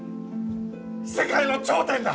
世界の頂点だ！